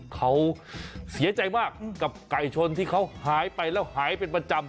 เขาเสียใจมากกับไก่ชนที่เขาหายไปแล้วหายเป็นประจำ